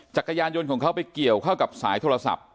จักรยานยนต์ของเขาไปเกี่ยวเข้ากับสายโทรศัพท์